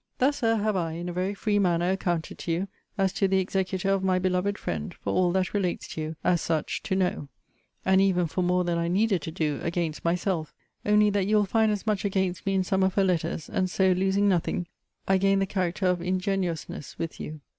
Thus, Sir, have I, in a very free manner, accounted to you, as to the executor of my beloved friend, for all that relates to you, as such, to know; and even for more than I needed to do, against myself; only that you will find as much against me in some of her letters; and so, losing nothing, I gain the character of ingenuousness with you.